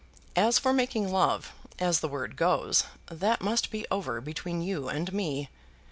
"As for making love, as the word goes, that must be over between you and me.